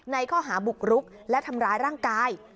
ข้อหาบุกรุกและทำร้ายร่างกาย